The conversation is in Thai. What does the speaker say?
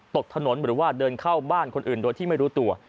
ตกถนนหรือว่าเดินเข้าบ้านคนอื่นโดยที่ไม่รู้ตัว